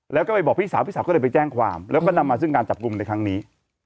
แล้วก็ไปบอกพี่สาวพี่สาวก็เลยไปแจ้งความแล้วก็นำมาซึ่งการจับกลุ่มในครั้งนี้